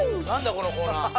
このコーナー。